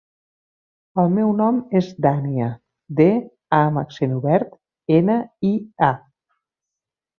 El meu nom és Dània: de, a amb accent obert, ena, i, a.